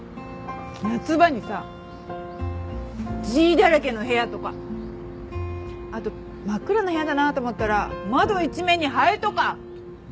夏場にさＧだらけの部屋とかあと真っ暗な部屋だなと思ったら窓一面にハエとか！